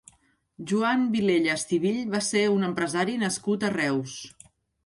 Joan Vilella Estivill va ser un empresari nascut a Reus.